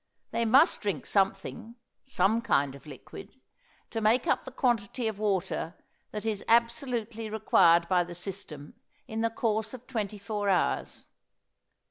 They must drink something some kind of liquid to make up the quantity of water that is absolutely required by the system in the course of twenty four hours.